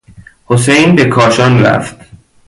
حسین به کاشان رفت.